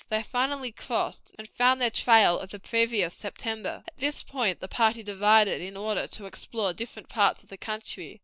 They finally crossed, and found their trail of the previous September. At this point the party divided in order to explore different parts of the country.